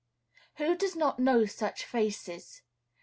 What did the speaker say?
Who does not know such faces?